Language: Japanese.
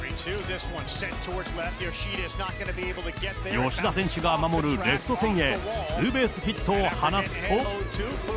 吉田選手が守るレフト線へツーベースヒットを放つと。